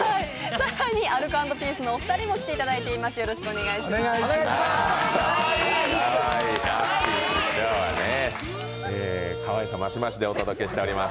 更にアルコ＆ピースのお二人にも来ていただいています。